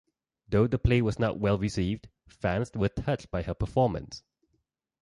Though the play was not well received, fans were touched by her performance.